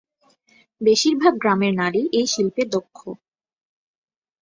বেশিরভাগ গ্রামের নারী এই শিল্পে দক্ষ।